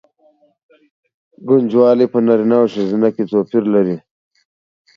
ګنجوالی په نارینه او ښځینه کې توپیر لري.